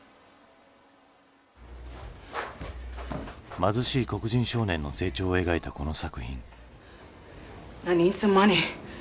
貧しい黒人少年の成長を描いたこの作品。